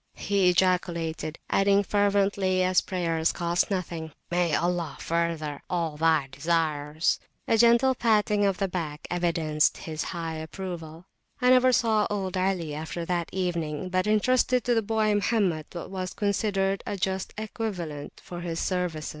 he ejaculated, adding fervently, as prayers cost nothing, May Allah further all thy desires. A gentle patting of the back evidenced his high approval. I never saw old Ali after that evening, but entrusted to the boy Mohammed what was considered a just equivalent for his services.